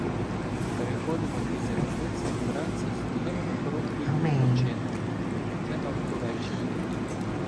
Переходимо дві залізниці й вранці стаємо на короткий відпочинок уже на Липовеччині.